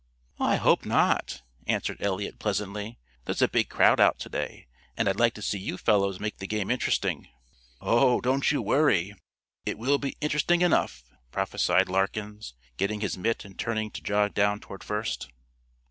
"I hope not," answered Eliot pleasantly. "There's a big crowd out to day, and I'd like to see you fellows make the game interesting." "Oh, don't you worry, it will be interesting enough," prophesied Larkins, getting his mitt and turning to jog down toward first.